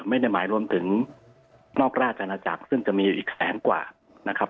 ไม่ได้หมายรวมถึงนอกราชนาจักรซึ่งจะมีอยู่อีกแสนกว่า